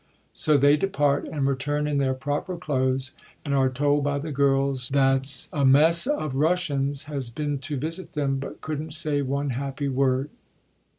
So they depart, and retiu'n in their proper clothes, and are told by the girls that, a mess of Russians has been to visit them, but couldn't say one happy word.